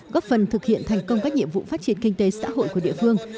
góp phần thực hiện thành công các nhiệm vụ phát triển kinh tế xã hội của địa phương